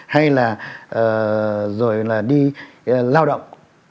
hay là đi lao động